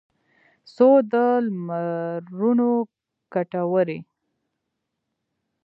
څو د لمرونو کټوري